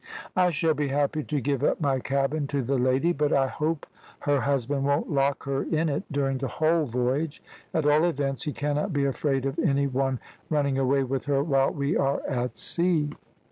"I shall be happy to give up my cabin to the lady, but I hope her husband won't lock her in it during the whole voyage; at all events, he cannot be afraid of any one running away with her while we are at sea."